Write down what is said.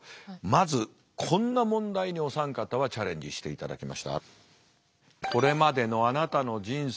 まずこんな問題にお三方はチャレンジしていただきました。